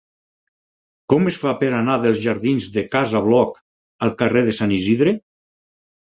Com es fa per anar dels jardins de Casa Bloc al carrer de Sant Isidre?